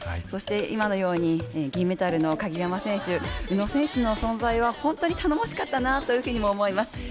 そして今のように、銀メダルの鍵山選手、宇野選手の存在は本当に頼もしかったなというふうにも思います。